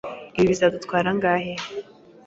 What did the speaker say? Ibi bizadutwara angahe?